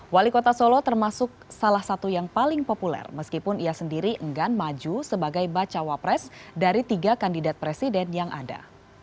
wali kota solo termasuk salah satu yang paling populer meskipun ia sendiri enggan maju sebagai bacawa pres dari tiga kandidat presiden yang ada